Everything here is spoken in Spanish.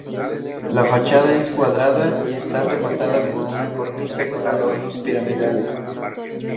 La fachada es cuadrada y está rematada por una cornisa con adornos piramidales.